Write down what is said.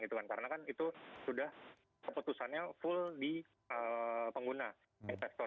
karena kan itu sudah keputusannya full di pengguna investor